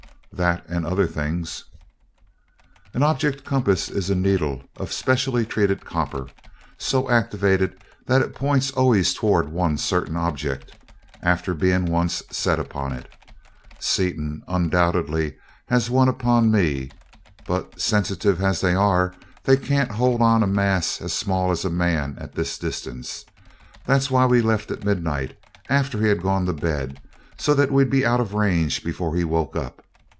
"That and other things." "An object compass is a needle of specially treated copper, so activated that it points always toward one certain object, after being once set upon it. Seaton undoubtedly has one upon me; but, sensitive as they are, they can't hold on a mass as small as a man at this distance. That was why we left at midnight, after he had gone to bed so that we'd be out of range before he woke up.